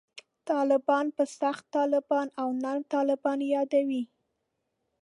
طالبان په «سخت طالبان» او «نرم طالبان» یادوي.